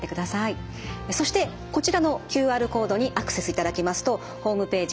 そしてこちらのＱＲコードにアクセスいただきますとホームページ